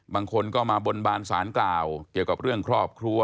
บางคนก็มาบนบานสารกล่าวเกี่ยวกับเรื่องครอบครัว